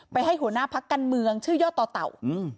ให้หัวหน้าพักการเมืองชื่อย่อต่อเต่า